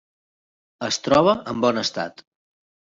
Es troba en bon estat.